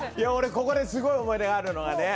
ここですごい思い出があるのがね